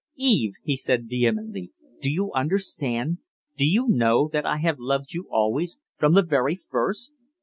"Eve," he said, vehemently, "do you understand? Do you know that I have loved you always from the very first?"